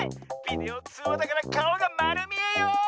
ビデオつうわだからかおがまるみえよ！